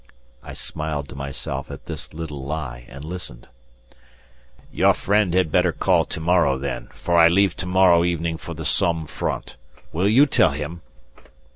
I smiled to myself at this little lie and listened. "Your friend had better call to morrow then, for I leave to morrow evening for the Somme front; will you tell him?"